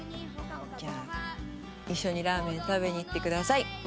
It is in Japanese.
「じゃあ一緒にラーメン食べに行ってください」